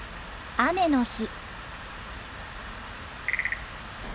雨の日。